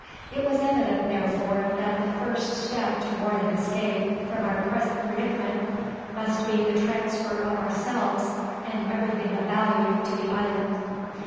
It was evident, therefore, that the first step toward an escape from our present predicament must be the transfer of ourselves and everything of value to the island.